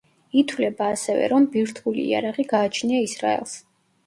ითვლება, ასევე, რომ ბირთვული იარაღი გააჩნია ისრაელს.